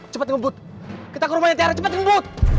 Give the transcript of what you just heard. cepat ngebut kita ke rumahnya tiara cepat ngebut